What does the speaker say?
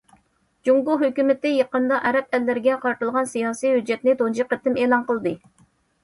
جۇڭگو ھۆكۈمىتى يېقىندا ئەرەب ئەللىرىگە قارىتىلغان سىياسىي ھۆججەتنى تۇنجى قېتىم ئېلان قىلدى.